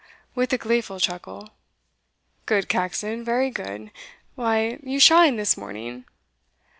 with a gleeful chuckle. "Good, Caxon, very good! why, you shine this morning."